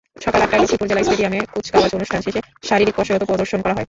সকাল আটটায় লক্ষ্মীপুর জেলা স্টেডিয়ামে কুচকাওয়াজ অনুষ্ঠান শেষে শারীরিক কসরত প্রদর্শন করা হয়।